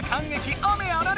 雨あられ！